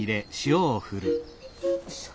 よいしょ。